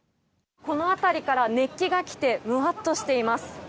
この辺りから熱気が来てむわっとしています。